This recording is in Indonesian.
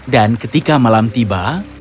dan ketika malam tiba